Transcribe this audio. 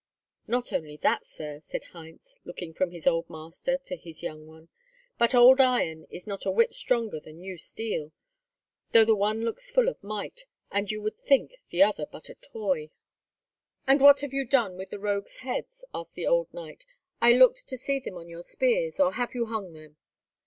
"Not only that, Sir," said Heinz, looking from his old master to his young one; "but old iron is not a whit stronger than new steel, though the one looks full of might, and you would think the other but a toy." "And what have you done with the rogues' heads?" asked the old knight. "I looked to see them on your spears. Or have you hung them?"